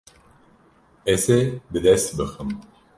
Ez ê bi dest bixim.